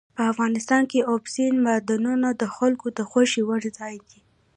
افغانستان کې اوبزین معدنونه د خلکو د خوښې وړ ځای دی.